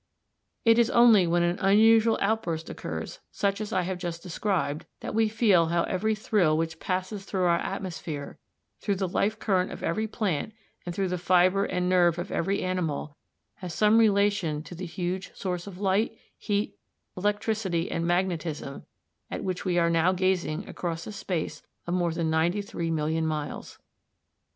It is only when an unusual outburst occurs, such as I have just described, that we feel how every thrill which passes through our atmosphere, through the life current of every plant, and through the fibre and nerve of every animal has some relation to the huge source of light, heat, electricity, and magnetism at which we are now gazing across a space of more than 93,000,000 miles.